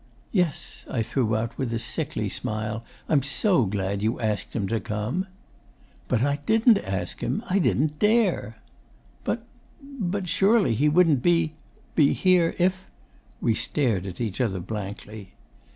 '"Yes," I threw out with a sickly smile, "I'm so glad you asked him to come." '"But I didn't ask him. I didn't DARE." '"But but surely he wouldn't be be HERE if " We stared at each other blankly.